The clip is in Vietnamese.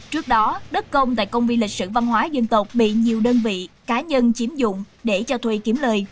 trước đó đất công tại công viên lịch sử văn hóa dân tộc bị nhiều đơn vị cá nhân chiếm dụng để cho thuê kiếm lời